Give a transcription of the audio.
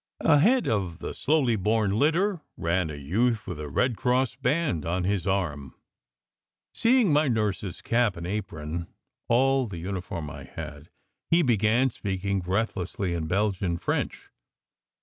Ahead of the slowly borne litter ran a youth with a Red Cross band on his arm. Seeing my nurse s cap and apron, all the uniform I had, he began speaking breathlessly in Belgian French.